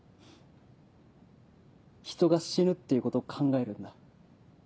人が死ぬっていうこと考えるんだ。